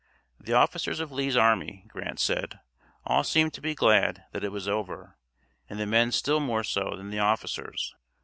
The officers of Lee's army, Grant said, all seemed to be glad that it was over, and the men still more so than the officers.